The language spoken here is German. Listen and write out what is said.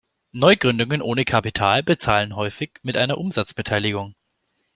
Neugründungen ohne Kapital bezahlen häufig mit einer Umsatzbeteiligung.